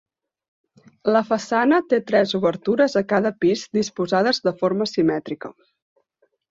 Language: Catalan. La façana té tres obertures a cada pis disposades de forma simètrica.